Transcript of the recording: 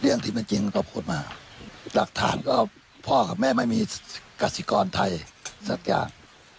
เรื่องที่ไม่จริงก็พูดมาหลักฐานก็พ่อกับแม่ไม่มีกสิกรไทยสักอย่าง